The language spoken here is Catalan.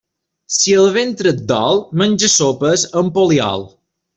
Si el ventre et dol, menja sopes amb poliol.